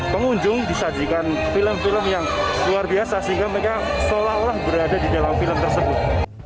pengunjung disajikan film film yang luar biasa sehingga mereka seolah olah berada di dalam film tersebut